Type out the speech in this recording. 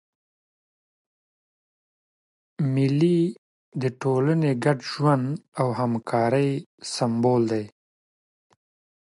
مېلې د ټولني د ګډ ژوند او همکارۍ سېمبول دي.